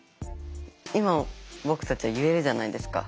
今僕たちは言えるじゃないですか。